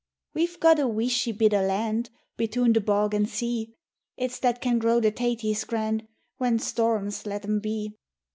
We've got a weeshie bit o' land Betune the bog and sea; It's that can grow the taties grand When storrums let them be.